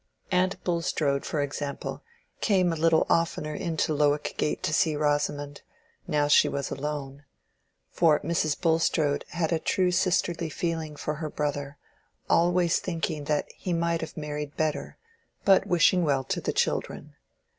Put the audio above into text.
Aunt Bulstrode, for example, came a little oftener into Lowick Gate to see Rosamond, now she was alone. For Mrs. Bulstrode had a true sisterly feeling for her brother; always thinking that he might have married better, but wishing well to the children.